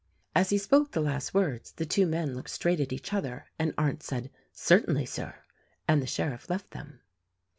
As he spoke the last words the two men looked straight at each other and Arndt said, "Certainly, Sir," and the sheriff left them.